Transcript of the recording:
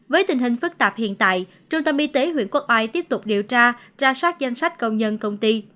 với tình hình phức tạp hiện tại trung tâm y tế huyện quốc oai tiếp tục điều tra ra soát danh sách công nhân công ty